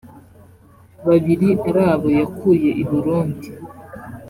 babiri ari abo yakuye i Burundi